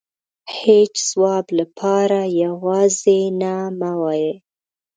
هيچ ځواب لپاره يوازې نه مه وايئ .